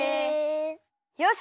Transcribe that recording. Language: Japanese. よし！